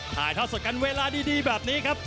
ถ่ายทอดสดกันเวลาดีแบบนี้ครับ